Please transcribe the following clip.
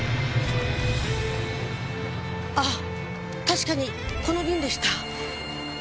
あっ確かにこの瓶でした。